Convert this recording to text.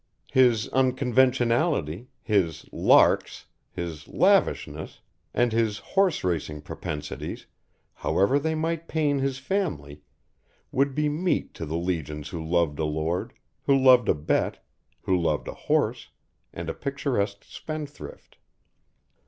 His unconventionality, his "larks," his lavishness, and his horse racing propensities, however they might pain his family, would be meat to the legions who loved a lord, who loved a bet, who loved a horse, and a picturesque spendthrift.